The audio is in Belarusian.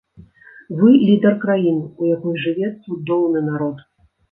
Вы лідар краіны, у якой жыве цудоўны народ.